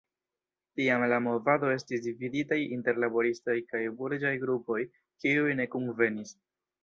Tiam la movado estis dividitaj inter laboristaj kaj burĝaj grupoj, kiuj ne kunvenis.